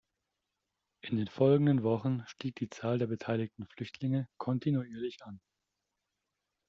In den folgenden Wochen stieg die Zahl der beteiligten Flüchtlinge kontinuierlich an.